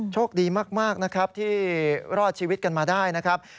โชคดีมากนะครับที่รอดชีวิตกันมาได้นะครับ